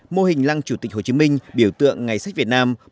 mô hình lăng chủ tịch hồ chí minh biểu tượng ngày sách việt nam